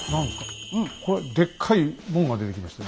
これでっかい門が出てきましたよ。